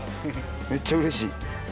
めっちゃうれしい。